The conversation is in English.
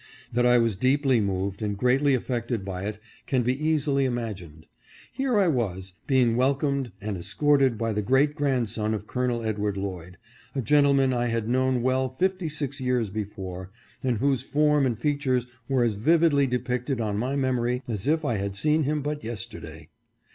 That I was deeply moved and greatly affected by it can be easily imagined. Here I was, being wel comed and escorted by the great grandson of Colonel Ed ward Lloyd — a gentleman I had known well fifty six years before, and whose form and features were as vividly depicted on my memory as if I had seen him but yesterday.